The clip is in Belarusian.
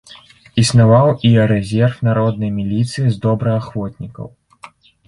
Існаваў і рэзерв народнай міліцыі з добраахвотнікаў.